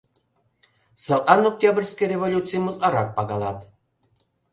Садлан Октябрьский революцийым утларак пагалат.